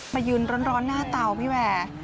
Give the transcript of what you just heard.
มายืนร้อนหน้าเตาพี่แวร์